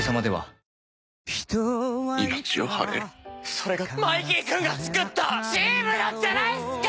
「それがマイキー君がつくったチームなんじゃないっすか！？」